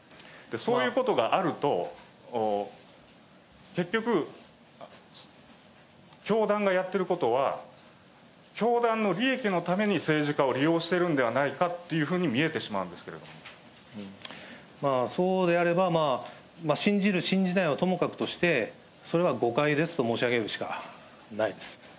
そういうことがあると、結局、教団がやっていることは、教団の利益のために政治家を利用しているんではないかというふうそうであれば、まあ信じる、信じないはともかくとして、それは誤解ですと申し上げるしかないです。